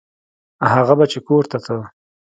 هغه به چې کور ته ته.